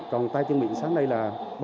còn tai chân miệng sáng nay là ba mươi bảy